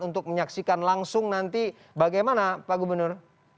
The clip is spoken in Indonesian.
untuk menyaksikan langsung nanti bagaimana pak gubernur